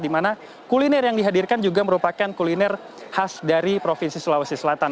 di mana kuliner yang dihadirkan juga merupakan kuliner khas dari provinsi sulawesi selatan